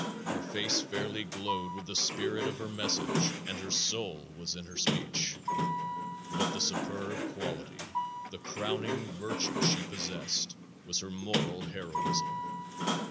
Her face fairly glowed with the spirit of her message and her soul was in her speech. But the superb quality, the crowning virtue she possessed, was her moral heroism.